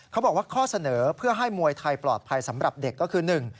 เขาบอกว่าข้อเสนอเพื่อให้มวยไทยปลอดภัยสำหรับเด็กก็คือ